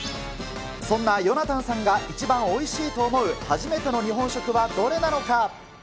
そんなヨナタンさんが一番おいしいと思う初めての日本食はどれなのか。